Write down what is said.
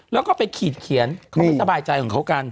แล้วก็ไปขีดเขียนเขาไม่สบายใจของเขากัน